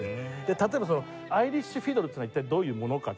例えばアイリッシュフィドルというのは一体どういうものかって。